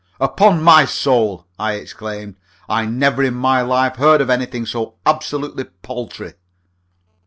"Upon my soul," I exclaimed, "I never in my life heard of anything so absolutely paltry."